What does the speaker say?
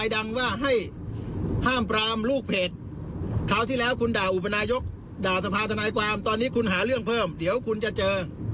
ด่าสภาทนายความตอนนี้คุณหาเรื่องเพิ่มเดี๋ยวคุณจะเจอ